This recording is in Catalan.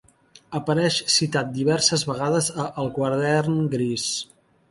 Apareix citat diverses vegades a El quadern gris.